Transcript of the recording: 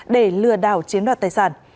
để lừa đảo chiến đoạt tài sản